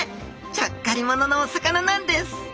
ちゃっかり者のお魚なんです！